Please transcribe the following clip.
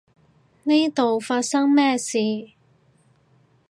呢度發生咩事？